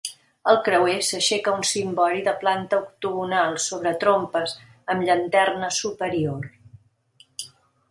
Al creuer s'aixeca un cimbori de planta octogonal, sobre trompes, amb llanterna superior.